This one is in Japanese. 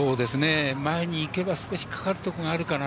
前にいけば少しかかるところがあるかな。